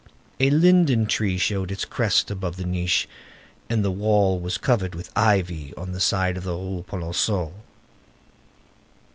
A linden tree showed its crest above the niche, and the wall was covered with ivy on the side of the Rue Polonceau.